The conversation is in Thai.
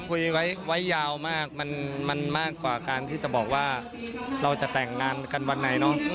คุยไว้ยาวมากมันมากกว่าการที่จะบอกว่าเราจะแต่งงานกันวันไหนเนอะ